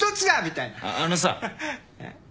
ああのさ。